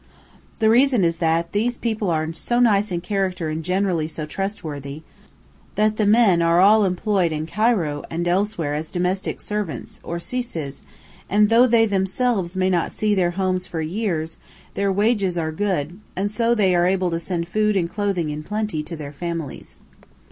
The reason is that these people are so nice in character and generally so trustworthy, that the men are all employed in Cairo and elsewhere as domestic servants, or "syces," and though they themselves may not see their homes for years, their wages are good, and so they are able to send food and clothing in plenty to their families. [Footnote 6: Grooms.